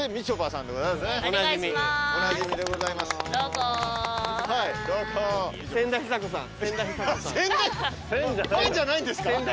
萬じゃないんですか？